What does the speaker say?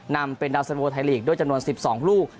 นำเป็นดาวน์สันโว้ไทยลีกด้วยจำนวนสิบสองลูก